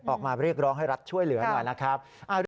ออกมาเรียกร้องให้รัฐช่วยเหลือหน่อยนะครับ